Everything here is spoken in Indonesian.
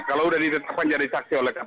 kalau udah ditetapkan jadi saksi oleh kpk memang